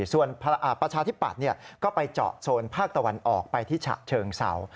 ส่วนประชาธิปัตย์ก็ไปเจาะโซนภาคตะวันออกไปที่ฉะเชิงเศร้า